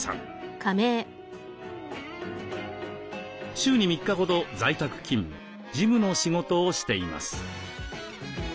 週に３日ほど在宅勤務事務の仕事をしています。